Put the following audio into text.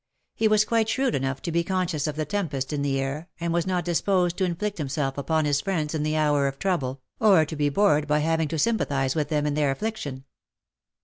He was quite shrewd enough to be conscious of the tempest in the air, and was not disposed to inflict himself upon his friends in the hour of trouble, or to be bored by having to sympathize with them in their affliction.